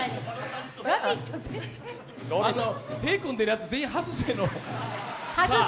手組んでるやつ、全員外してる。